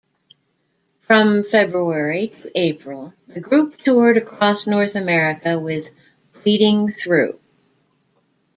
From February to April, the group toured across North America with Bleeding Through.